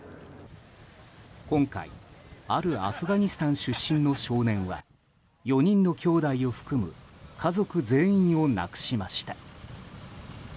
今回、あるアフガニスタン出身の少年は４人の兄弟を含む家族全員を亡くしました。